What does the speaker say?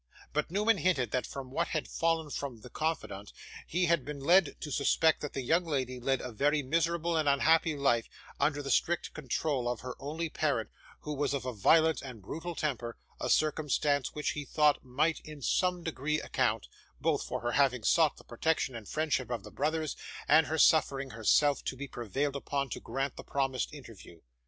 But Newman hinted that from what had fallen from the confidante, he had been led to suspect that the young lady led a very miserable and unhappy life, under the strict control of her only parent, who was of a violent and brutal temper; a circumstance which he thought might in some degree account, both for her having sought the protection and friendship of the brothers, and her suffering herself to be prevailed upon to grant the promised interview.